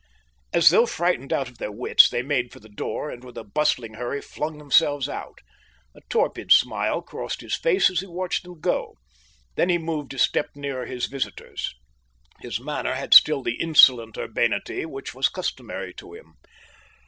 As though frightened out of their wits, they made for the door and with a bustling hurry flung themselves out. A torpid smile crossed his face as he watched them go. Then he moved a step nearer his visitors. His manner had still the insolent urbanity which was customary to him.